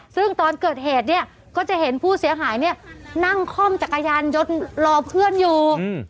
ซึ่งตอนเกิดเหตุเนี่ยก็จะเห็นผู้เสียหายเนี่ยนั่งคล่อมจักรยานยนต์รอเพื่อนอยู่